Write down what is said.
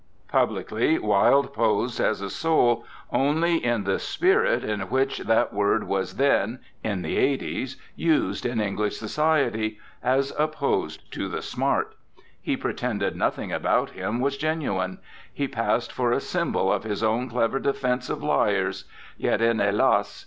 Publicly, Wilde posed as a Soul only in the spirit in which that '9 RECOLLECTIONS OF OSCAR WILDE word was then, in the 'Eighties, used in English society, as opposed to the Smart ; he pretended nothing about him was genuine; he passed for a symbol of his own clever defence of liars; yet in "He las!"